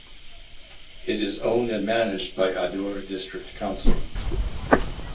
It is owned and managed by Adur District Council.